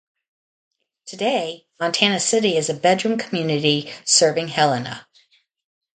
Today, Montana City is a bedroom community serving Helena.